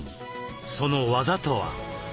その技とは？